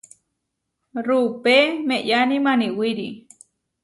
Rupe meʼyáni Maniwíri.